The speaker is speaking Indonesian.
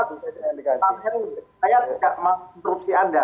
saya tidak mengintruksi anda